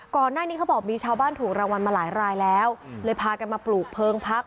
เขาบอกมีชาวบ้านถูกรางวัลมาหลายรายแล้วเลยพากันมาปลูกเพลิงพัก